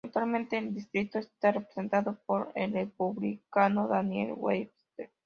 Actualmente el distrito está representado por el Republicano Daniel Webster.